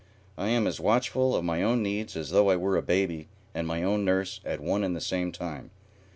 I am as watchful of my own needs as though I were a baby and my own nurse at one and the same time.